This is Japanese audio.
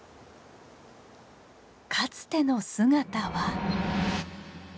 かつての姿は。